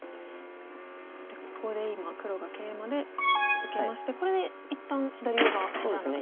そしてここで今黒がケイマで受けましてこれで一旦左上は一段落ですか。